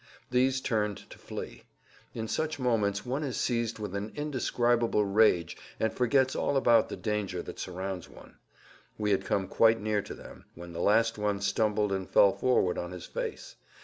These turned to flee. In such moments one is seized with an indescribable rage and forgets all about the danger that surrounds one. We had come quite near to them, when the last one stumbled and fell forward on his face.